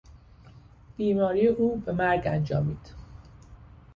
بیماری او به مرگ انجامید.